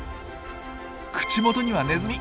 口元にはネズミ！